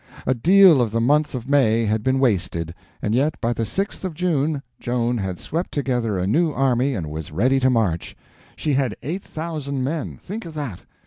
A deal of the month of May had been wasted; and yet by the 6th of June Joan had swept together a new army and was ready to march. She had eight thousand men. Think of that.